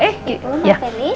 ibu mau feli